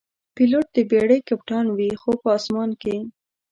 پیلوټ د بېړۍ کپتان وي، خو په آسمان کې.